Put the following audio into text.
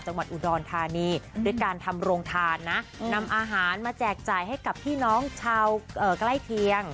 จังหวัดอุดรธานีด้วยการทำโรงทานนะนำอาหารมาแจกจ่ายให้กับพี่น้องชาวใกล้เคียง